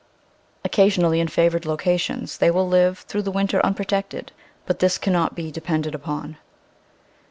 Oc casionally in favoured locations they will live through the winter unprotected, but this cannot be depended upon.